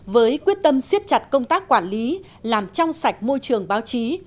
với quyết tâm siết chặt công tác quản lý làm trong sạch môi trường báo chí